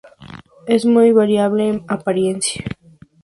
Es muy variable en apariencia.